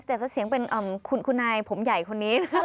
แต่ก็เสียงเป็นคุณนายผมใหญ่คนนี้